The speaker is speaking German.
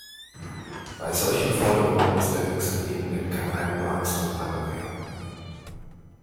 Bei solchen Forderungen aus der höchsten Ebene kann einem nur angst und bange werden.